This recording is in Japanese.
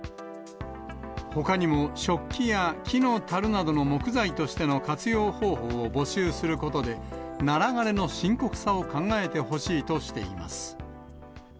ほかにも食器や木のたるなどの木材としての活用方法を募集することで、ナラ枯れの深刻さを考えてほしいとしています。